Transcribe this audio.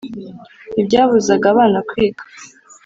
ntibyabuzaga abana kwiga